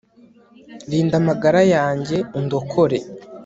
rinda amagara yanjye, undokore